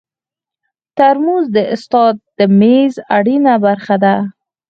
ترموز د استاد د میز اړینه برخه ده.